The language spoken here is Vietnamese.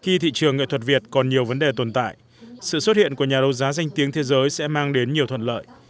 khi thị trường nghệ thuật việt còn nhiều vấn đề tồn tại sự xuất hiện của nhà đấu giá danh tiếng thế giới sẽ mang đến nhiều thuận lợi